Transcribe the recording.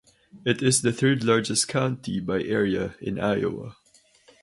It is the third-largest county by area in Iowa.